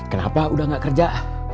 kenapa udah gak kerja